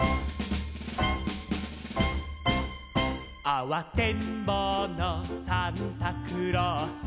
「あわてんぼうのサンタクロース」